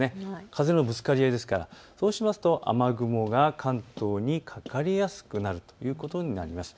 風のぶつかり合いですからそうしますと雨雲が関東にかかりやすくなるということになります。